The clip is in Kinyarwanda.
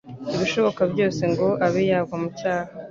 ibishoboka byose, ngo abe yagwa mu cyaha.